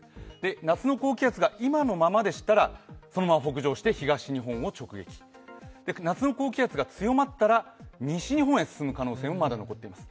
夏の高気圧が今のままでしたらそのまま北上して東日本を直撃夏の高気圧が強まったら西日本へ進む可能性もまだ残っています。